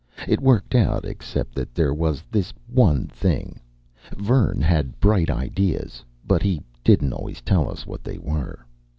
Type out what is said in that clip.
It worked out, except that there was this one thing. Vern had bright ideas. But he didn't always tell us what they were.